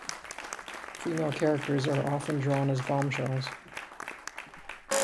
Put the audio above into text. Female characters are often drawn as bombshells.